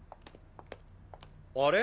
あれ？